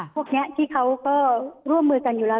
พวกนี้ที่เขาก็ร่วมมือกันอยู่แล้ว